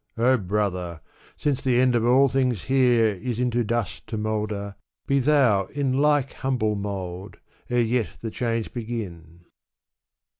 O brother ! since the end of all things here Is into dust to moulder, be thou in Like humble mould, ere yet the change begin.''